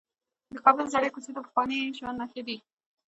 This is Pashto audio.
د کابل زړې کوڅې د پخواني ژوند نښې لري.